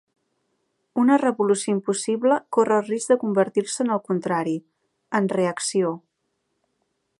Una revolució impossible corre el risc de convertir-se en el contrari: en reacció.